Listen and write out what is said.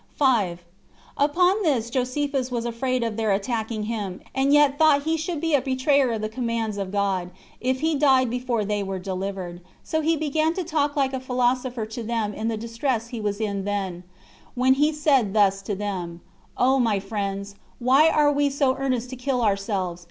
5. Upon this Josephus was afraid of their attacking him, and yet thought he should be a betrayer of the commands of God, if he died before they were delivered. So he began to talk like a philosopher to them in the distress he was then in, when he said thus to them: "O my friends, why are we so earnest to kill ourselves?